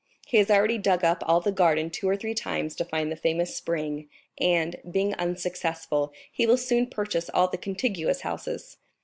He has already dug up all the garden two or three times to find the famous spring, and, being unsuccessful, he will soon purchase all the contiguous houses.